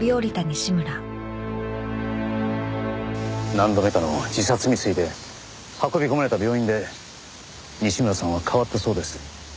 何度目かの自殺未遂で運び込まれた病院で西村さんは変わったそうです。